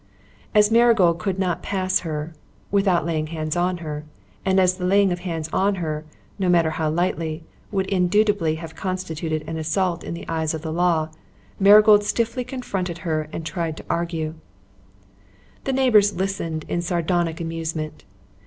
As Marigold could not pass her without laying hands on her, and as the laying of hands on her, no matter how lightly, would indubitably have constituted an assault in the eyes of the law, Marigold stiffly confronted her and tried to argue. The neighbours listened in sardonic amusement.